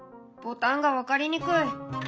「ボタンが分かりにくい！」。